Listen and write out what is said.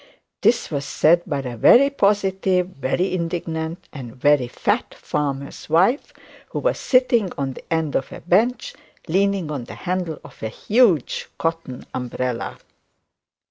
This was said by a very positive, very indignant, and very fat farmer's wife, who was sitting on the end of a bench leaning on the handle of a huge cotton umbrella.